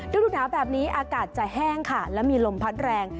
ฤดูหนาวแบบนี้อากาศจะแห้งค่ะและมีลมพัดแรง